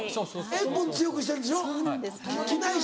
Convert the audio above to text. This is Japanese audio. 塩分強くしてるんでしょ機内食。